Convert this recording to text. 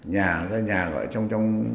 nhà ra nhà gọi là trong